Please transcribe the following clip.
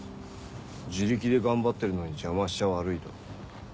自力で頑張ってるのに邪魔しちゃ悪いと。